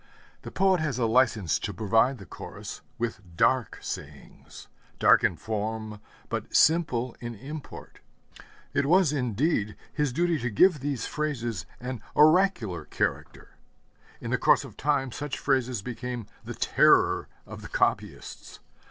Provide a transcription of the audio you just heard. The poet has a license to provide the Chorus with dark sayings, dark in form, but simple in import. It was, indeed, his duty to give these phrases an oracular character. In the course of time such phrases became the terror of the copyists.